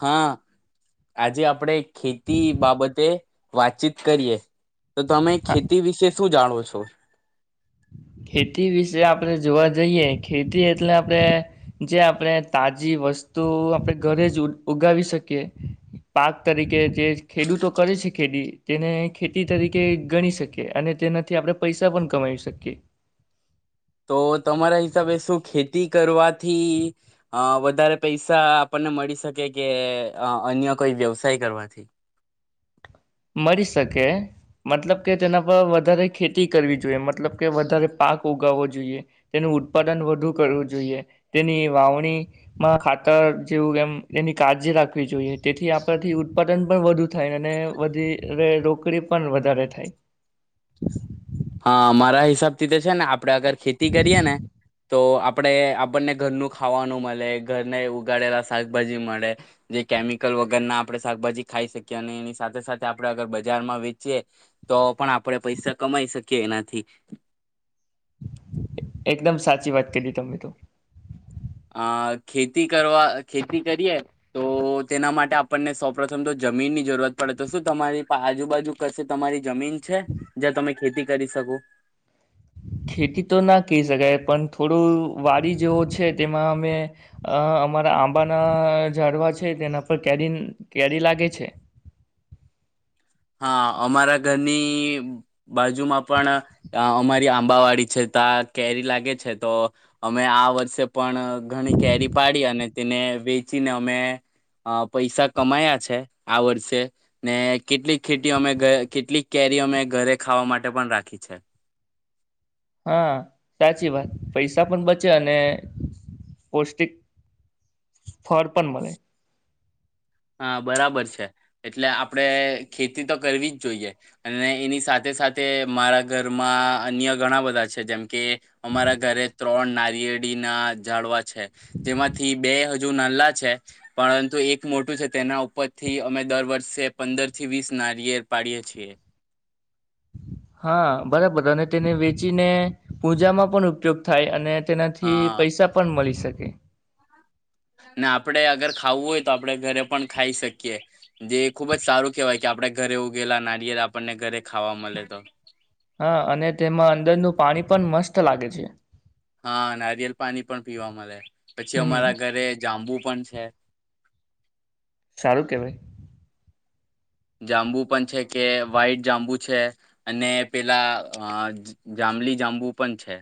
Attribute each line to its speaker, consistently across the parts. Speaker 1: હા આજે આપડે ખેતી બાબતે વાતચીત કરીએ. તો તમે
Speaker 2: હા
Speaker 1: ખેતી વિશે શું જાણો છો.
Speaker 2: ખેતી વિશે આપણેે જોવા જઈએ ખેતી એટલે આપણે જે આપણે તાજી વસ્તુ આપણે ઘરે જ ઉગાવી શકીએ પાક તરીકે જે ખેડૂતો કરે છે ખેતી તેને ખેતી તરીકે ગણી શકીએ અને તેનાથી આપણે પૈસા પણ કમાવી શકીએ.
Speaker 1: તો તમારા હિસાબે શું ખેતી કરવાથી અ વધારે પૈસા આપણને મળી શકે કે અન્ય કોઈ વ્યવસાય કરવાથી.
Speaker 2: મળી શકે મતલબ કે તેના પર વધારે ખેતી કરવી જોઈએ મતલબ કે વધારે પાક ઉગાવવો જોઈએ તેનું ઉત્પાદન વધુ કરવું જોઈએ તેની વાવણીમાં ખાતર જેવું એમ તેની કાળજી રાખવી જોઈએ તેથી આપણેથી ઉત્પાદન પણ વધુ થાય અને વધી રોકડી પણ વધારે થાય.
Speaker 1: હા મારા હિસાબથી તે છે ને આપ આપડે આગર ખેતી કરીયે ને તો આપણેે આપણને ઘરનું ખાવાનું મળે ઘરને ઉગાડેલા શાકભાજી મળે જે કેમિકલ વગરના આપણે શાકભાજી ખાઈ શકીએ અને એની સાથે સાથે આપણે અગર બજારમાં વેચીએ તો પણ આપણે પૈસા કમાઈ શકીએ. કે એનાથી.
Speaker 2: એકદમ સાચી વાત કરી તમે તો.
Speaker 1: અ ખેતી કરવા ખેતી કરીએ તો તેના માટે આપણને સૌ પ્રથમ તો જમીનની જરૂરત પડે તો શું તમારી પા આજુબાજુ કશે તમારી જમીન છે જ્યાં તમે ખેતી કરી શકો.
Speaker 2: ખેતી તો ના કહી શકાય પણ થોડું વાડી જેવો છે તેમાં અમે અમારા આંબાના ઝાડવા છે તેના પર કેરી કેરી લાગે છે.
Speaker 1: હા અમારા ઘરની બાજુમાં પણ અમારી આંબાવાડી છે ત્યા કેરી લાગે છે તો અમે આ વર્ષે પણ ઘણી કેરી પાડી અને તેને વેચીને અમે અ પૈસા કમાયા છે આ વર્ષે ને કેટલીક ખેતી અમે કેટલીક કેરી અમે ઘરે ખાવા માટે પણ રાખી છે.
Speaker 2: હા સાચી વાત પૈસા પણ બચે અને પૌષ્ટિક ફળ પણ મળે.
Speaker 1: હા બરાબર છે એટલે આપડે ખેતી તો કરવી જ જોઈએ અને એની સાથે સાથે મારા ઘરમાં અન્ય ઘણા બધા છે જેમ કે અમારા ઘરે ત્રણ નારિયેળીના ઝાડવા છે જેમાંથી બે હજુ નાલ્લા છે પરંતુ એક મો મોટુ છે તેના ઉપરથી અમે દર વર્ષે પંદરથી વીસ નારિયેલ પાડીએ છીએ.
Speaker 2: હા બરાબર અને તેને વેચીને પૂજામાં પણ ઉપયોગ થાય અને તેનાથી
Speaker 1: હા
Speaker 2: પૈસા પણ મળી શકે. [inaudible]
Speaker 1: ને આપણેે અગર ખાવું હોય તો આપણે ઘરે પણ ખાઈ શકીએ જે ખુબ જ સારું કેહેવાય કે આપણેે ઘરે ઉગેલા નારિયેર આપણને ઘરે ખાવા મળે તો.
Speaker 2: હા અને તેમાં અંદરનું પાણી પણ મસ્ત લાગે છે.
Speaker 1: હા નારિયેલ પાણી પણ પીવા મળે પછી
Speaker 2: હમ
Speaker 1: અમારા ઘરે જાંબુ પણ છે.
Speaker 2: સારું કહેવાય.
Speaker 1: જાંબુ પણ છે કે વ્હાઈટ જાંબુ છે અને પેલા અ જાંબલી જાંબુ પણ છે.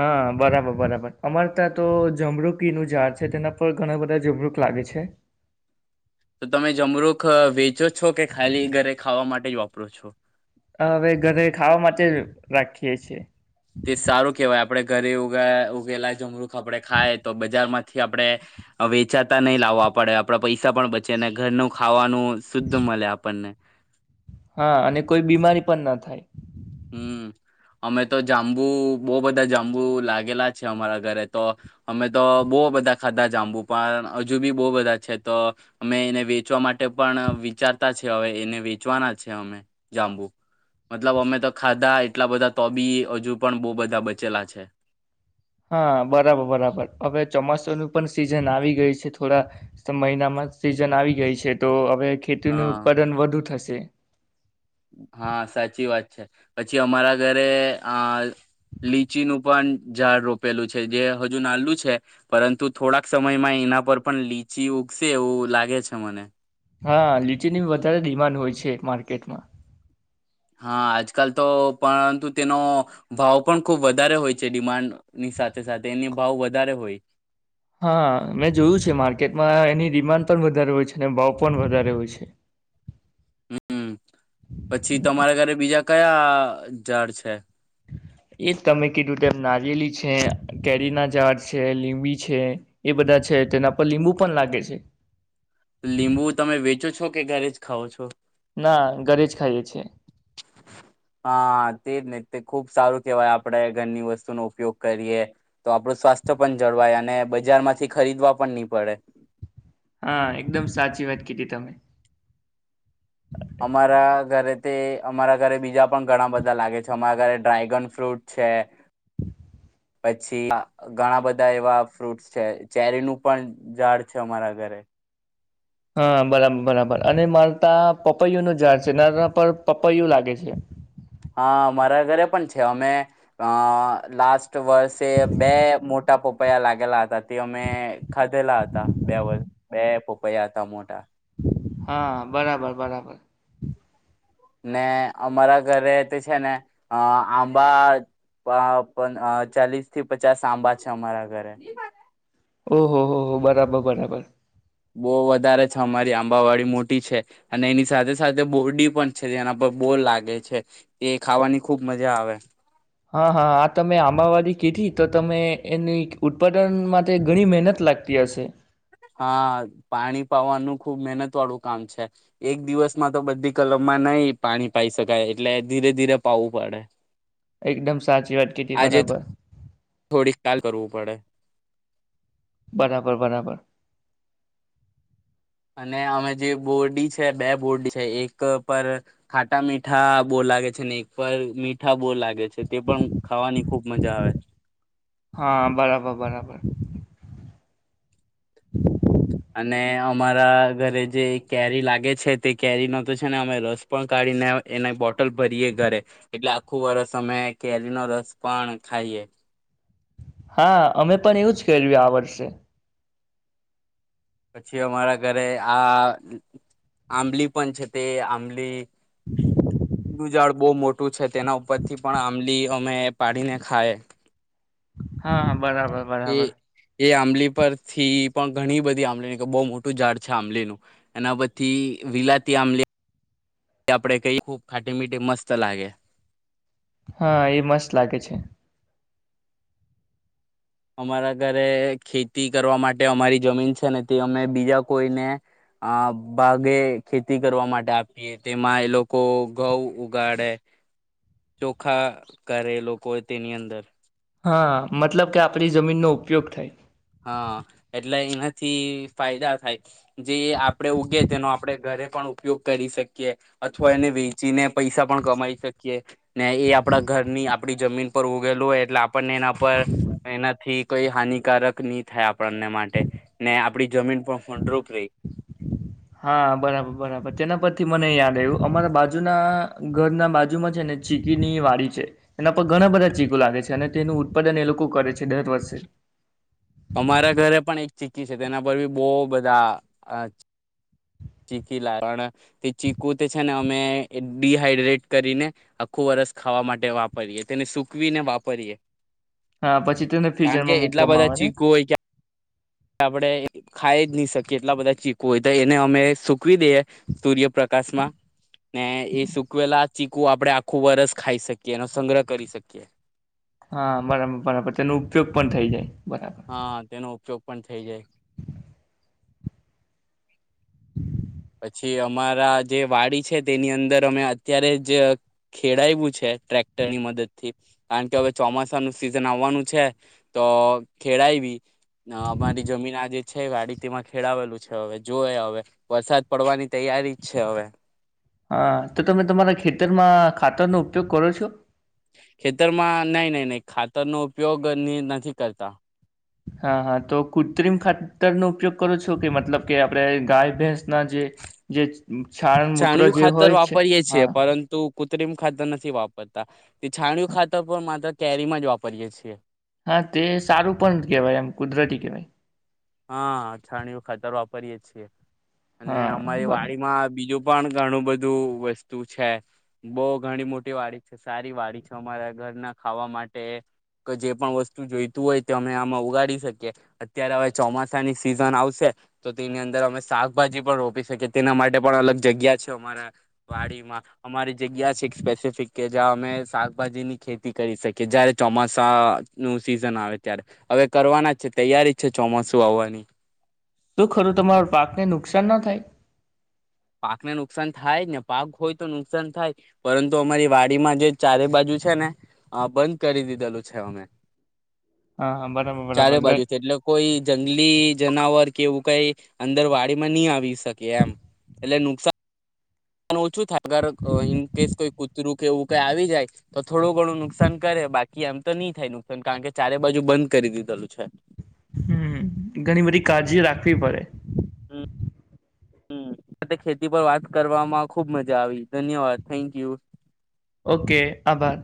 Speaker 2: હા બરાબર બરાબર અમારે ત્યાં તો જમરૂકીનું ઝાડ છે તેના પર ઘણા બધા જમરૂક લાગે છે.
Speaker 1: તો તમે જમરૂખ વેચો છો કે ખાલી ઘરે ખાવા માટે જ વાપરો છો.
Speaker 2: હવે ઘરે ખાવા માટે રાખીએ છીએ.
Speaker 1: તે સારું કેવાય આપડે ઘરે ઉગે ઉગેલા જમરૂખ આપડે ખાય તો બજારમાં થી આપણે વેચાતા નહીં લાવવા પડે આપણા પૈસા પણ બચે ને ઘરનું ખાવાનું નું શુદ્ધ મળે આપણને
Speaker 2: હા અને કોઈ બીમારી પણ ના થાય.
Speaker 1: હમ અમે તો જાંબુ બહુ બધા જાંબુ લાગેલા છે અમારા ઘરે તો અમે તો બહુ બધા ખાધા જાંબુ પણ હજુ બી બહુ બધા છે તો અમે એને વેચવા માટે પણ વિચારતા છે હવે એને વેચવાના છે અમે જાંબુ મતલબ અમે તો ખાધા એટલા બધા તોબી હજુ પણ બહુ બધા બચેલા છે.
Speaker 2: હા બરાબર બરાબર હવે ચોમાસુંનું પણ સીઝન આવી ગઈ છે થોડા મહિનામાં સીઝન આવી ગઈ છે તો હવે ખેતી નનું
Speaker 1: હા
Speaker 2: ઉત્પાદન વધુ થશે. છે.
Speaker 1: હા સાચી વાત છે પછી અમારા ઘરે લીચીનું પણ ઝાડ રોપેલું છે જે હજુ નાલું છે પરંતુ થોડાક સમયમાં એના પર પણ લીચી ઉગશે એવું લાગે છે મને.
Speaker 2: હા લીચી ની વધારે ડિમાન્ડ હોય છે માર્કેટમાં
Speaker 1: હા આજકાલ તો પરંતુ તેનો ભાવ પણ ખુબ વધારે હોય છે ડિમાન્ડની સાથે સાથે એની ભાવ વધારે હોય.
Speaker 2: હા મેં જોયું છે માર્કેટમાં એની ડિમાન્ડ પણ વધારે હોય છે અને ભાવ પણ વધારે હોય છે.
Speaker 1: હમ પછી તમારા ઘરે બીજા કયા ઝાડ છે.
Speaker 2: એ તમે કીધું તેમ નારિયેલી છે કેરીના ઝાડ છે લીંબી છે એ બધા છે તેના પર લીંબુ પણ લાગે છે.
Speaker 1: લીંબુ તમે વેચો છો કે ઘરે જ ખાવ છો?
Speaker 2: ના ઘરે જ ખાઈએ. છીએ.
Speaker 1: હા તેજ ને તે ખૂબ સારું કેહેવાય આપણે ઘરની વસ્તુનો ઉપયોગ કરીએ તો આપણું સ્વાસ્થ્ય પણ જળવાય અને બજારમાંથી ખરીદવા પણ નહી પડે.
Speaker 2: હા એકદમ સાચી વાત. કી દી તમે.
Speaker 1: અમારા ઘરે તે અમારા ઘરે બીજા પણ ઘણા બધા લાગે છે અમારા ઘરે ડ્રાયગન ફ્રૂટ છે. પછી ઘણા બધા એવા ફ્રૂટસ છે ચેરીનું પણ ઝાડ છે, અમારા ઘરે
Speaker 2: હા બરાબર બરાબર અને માર તા પપૈયું નુ ઝાડ છે નાના પર પપૈયું લાગે છે.
Speaker 1: હા મારા ઘરે પણ છે અમે અ લાસ્ટ વર્ષે બે મોટા પપ પયા લાગેલા હતા. તે અમે ખાધેલા હતા બે વષ બે પયા હતા મોટા
Speaker 2: હા બરાબર બરાબર.
Speaker 1: ને અમારા ઘરે તે છે ને અ આંબા ચાલીસ થી પચાસ આંબા છે અમારા ઘરે.
Speaker 2: ઓહ હો હો બરાબર બરાબર.
Speaker 1: બહુ વધારે છે અમારી આંબાવાડી મોટી છે અને એની સાથે સાથે બોરડી પણ છે જેના પર બોર લાગે છે એ ખાવાની ખુબ મજા આવે.
Speaker 2: હા હા આ તમે આંબાવાડી કીધી તો તમે એની ઉત્પાદન માટે ઘણી મહેનત લાગતી હશે.
Speaker 1: હા પાણી પાવાનું ખુબ મહેનત વાળું કામ છે એક દિવસમાં તો બધી કલમમાં નઈ પાણી પાઇ શકાય એટલે ધીરે ધીરે પાવવું પડે.
Speaker 2: એકદમ સાચી વાત કીધી
Speaker 1: આજે
Speaker 2: બરાબર
Speaker 1: થોડી કાલ કરવું પડે.
Speaker 2: બરાબર બરાબર.
Speaker 1: ને અમે જે બોરડી છે બે બોરડી છે એક પર ખાટા મીઠા બોર લાગે છે ને એક પર મીઠા બોર લાગે છે. તે પણ ખાવાની. ખુબ મજા આવે.
Speaker 2: હા બરાબર બરાબર. [inaudible]
Speaker 1: અને અમારા ઘરે જે કેરી લાગે છે તે કેરીનો તો છે ને અમે રસ પણ કાઢીને એના બોટલ ભરીએે ઘરે એટલે આખું વરસ અમે કેરીનો રસ પણ ખાઈએ.
Speaker 2: હા અમે પણ એવું જ કર્યું આ વર્ષે
Speaker 1: પછી અમારા ઘરે આ આંબલી પણ છે તે આંબલી
Speaker 2: [inaudible]
Speaker 1: ડું જાડ બહુ મોટું છે તેના ઉપરથી પણ આંબલી અમે પાડીને ખાય
Speaker 2: હા હા બરાબર
Speaker 1: એ
Speaker 2: બરાબર
Speaker 1: એ આંબલી પરથી પણ ઘણી બધી આંબલી બહુ મોટું ઝાડ છે આંબલીનું એના પછી વિલાતી આંબલી આપડે કહી ખૂબ ખાટી મીઠી મસ્ત લાગે
Speaker 2: હા એ મસ્ત લાગે છે
Speaker 1: અમારા ઘરે ખેતી કરવા માટે અમારી જમીન છે ને તે અમે બીજા કોઈને આ ભાગે ખેતી કરવા માટે આપીએ તેમાં એ લોકો ઘઉં ઉગાડે ચોખા કરે એ લોકો તેની અંદર
Speaker 2: હા મતલબ કે આપણી જમીનનો ઉપયોગ થાય
Speaker 1: હા એટલે એનાથી ફાયદા થાય જે આપડે ઉગે તેનો આપડે ઘરે પણ ઉપયોગ કરી શકે અથવા એને વેચીને પૈસા પણ કમાઈ શકીએ ને એ આપણા ઘરની આપણી જમીન ઉપર ઉગેલું હોય એટલે આપણને એના પર એનાથી કોઈ હાનિકારક ની થાય આપણને માટે ને આપડી જમીન પણ ફળદ્રુપ રહે
Speaker 2: હા બરાબર બરાબર તેના પરથી મને યાદ આવ્યું અમારા બાજુના ઘરના બાજુમાં છે ને ચીકીની વાડી છે એના પર ઘણા બધા ચીકુ લાગે છે અને તેનું ઉત્પાદન એ લોકો કરે છે દર વર્ષે
Speaker 1: અમારા ઘરે પણ એક ચીકી છે તેના પર બી બહુ બધા ચીકી લાવણ તે ચીકું તે છે ને અમે ડીહાઈડ્રેટ કરીને આખું વર્ષ ખાવા માટે વાપરીએ તેને સૂકવીને વાપરીએ
Speaker 2: હા પછી તેને
Speaker 1: કારણ
Speaker 2: ફ્રીઝરમાં મુકવામાં આવે ને
Speaker 1: આપડે ખાઈ જ નહી શકીએ એટલા બધા ચીકુ હોય તો એને અમે સુ સુકવી દે સૂર્યપ્રકાશમાં ને એ
Speaker 2: હમ, હમ.
Speaker 1: સુકવેલા - ચીકુ આપડે આખું વરસ ખાઈ શકીએ. એનો સંગ્રહ કરી શકીએ.
Speaker 2: હા બરાબર બરાબર તેનો ઉપયોગ પણ થઈ જાય. બરાબર.
Speaker 1: હા તેનો ઉપયોગ પણ થઈ જાય. પછી અમારા જે વાડી છે. તેની અંદર અમે અત્યારે જ ખેડાયવુ છે ટ્રેક્ટરની મદદથી કારણ કે હવે ચોમાસાનું સિઝન આવવાનું છે. તો ખેડાયવી ન અમારી જમીન આજે છે વાડી તેમાં ખેડાવેલુ છે. હવે જોએ હવે વરસાદ પડવાની તૈયારી જ છે હવે.
Speaker 2: હા, તો તમે તમારા ખેતરમાં ખાતરનો ઉપયોગ કરો છો.
Speaker 1: ખેતરમાં નઈ નઈ નઈ ખાતરનો ઉપયોગ નથી કરતા.
Speaker 2: હા હા તો કૃત્રિમ ખાતરનો ઉપયોગ કરો છો કે મતલબ કે આપડે ગાય ભેંસના જે જે છાણ મૂત્ર
Speaker 1: છાણયું
Speaker 2: જે
Speaker 1: ખાતર
Speaker 2: હોય છે?
Speaker 1: વાપરીએ છીએ
Speaker 2: હા.
Speaker 1: પરંતુ કૃત્રિમ ખાતર નથી વાપરતા. તે છાણિયું ખાતર પણ માત્ર કેરીમાં જ વાપરીએે છીએ.
Speaker 2: હા તે સારું પણ કેહવાય એમ કુદરતી કેહેવાય.
Speaker 1: હા છાણીયું ખાતર વાપરીએે છીએ. અને
Speaker 2: હા
Speaker 1: અમારી
Speaker 2: બને
Speaker 1: વાડીમાં બીજું પણ ઘણું બધું વસ્તુ છે. બઉ ઘણી મોટી વાડી છે. સારી વાડી છે. અમારા ઘરના ખાવા માટે કે જે પણ વસ્તુ જોઈતું હોય તો અમે આમાં ઉગાડી શકીએ અત્યારે હવે ચોમાસાની સિઝન આવશે તો તેની અંદર અમે શાકભાજી પણ રોપી શકીએ. તેના માટે પણ અલગ જગ્યા છે. અમારા વાડીમાં અમારી જગ્યા છે એક સ્પેસિફિક કે જ્યાં અમે શાકભાજીની ખેતી કરી શકીએ. જયારે ચોમાસાનું સિઝન આવે ત્યારે હવે કરવાના જ છે. તૈયારી છે ચોમાસું આવવાની
Speaker 2: તુ ખરું તમાર પાકને નુક નુકસાન ના થાય.
Speaker 1: પાકને નુકસાન થાય ને પાક હોય તો નુકસાન થાય. પરંતુ અમારી વાડીમાં જે ચારે બાજુ છે ને બંધ કરી દીધેલું છે અમે
Speaker 2: હા હા, બરાબર
Speaker 1: ચારે
Speaker 2: બરાબર ઘ
Speaker 1: બાજુથી એટલે કોઈ જંગલી જનાવર કે એવું કઈ અંદર વાડીમાં ની આવી શકે એમ એટલે નુકસાન ઓછું થાય. અગર કઈ ઇન કેસ ક કૂતરું કે એવું કઈ આવી જાય તો થોડું ઘણું નુકસાન કરે બાકી એમ તો ની થાય નુકસાન કારણ કે ચારે બાજુ બંધ કરી દીધેલું છે.
Speaker 2: હમ ઘણી બધી કાળજી રાખવી પડે.
Speaker 1: હમ હમ ખેતી પર વાત કરવામાં ખુબ મજા આવી. ધન્યવાદ થેન્ક યુ.
Speaker 2: ઓકે આભાર.